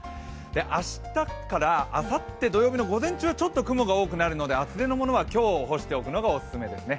明日からあさって土曜日の午前中は雲が少し多めになるので厚手のものは今日干しておくのがオススメですね。